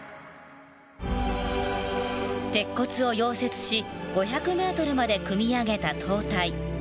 鉄骨を溶接し５００ｍまで組み上げた塔体。